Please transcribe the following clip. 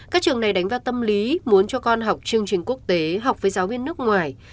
các trường này đánh vào tâm lý muốn cho con học chương trình quốc tế học với giáo viên nước ngoài